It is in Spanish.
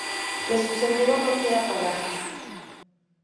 que su seguro no quiera pagar